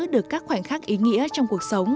được các khoảnh khắc ý nghĩa trong cuộc sống